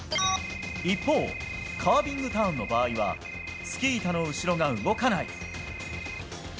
一方、カービングターンの場合はスキー板の後ろが動かない。